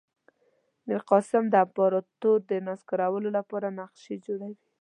میرقاسم د امپراطور د نسکورولو لپاره نقشې جوړوي.